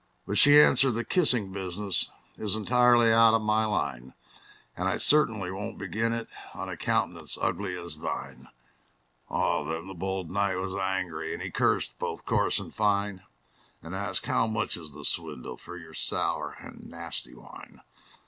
But she answered, "The kissing business Is entirely out of my line; And I certainly will not begin it On a countenance ugly as thine!" Oh, then the bold knight was angry, And cursed both coarse and fine; And asked, "How much is the swindle For your sour and nasty wine?"